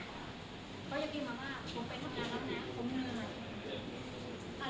เขาจะพิมพ์มาว่าผมไปทำงานแล้วนะเขามือ